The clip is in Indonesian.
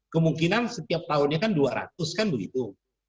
kemungkinan setiap tahunnya kan dua ratus kan begitu